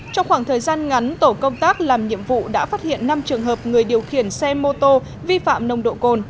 trong khoảng thời gian ngắn tổ công tác làm nhiệm vụ đã phát hiện năm trường hợp người điều khiển xe mô tô vi phạm nồng độ cồn